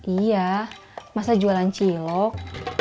iya masa jualan cilok